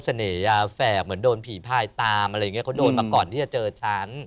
ยาแฝกเหมือนโดนผีพายตามอะไรอย่างนี้เขาโดนมาก่อนที่จะเจอฉัน